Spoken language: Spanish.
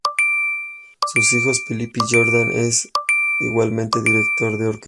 Sus hijo, Philippe Jordan, es igualmente director de orquesta.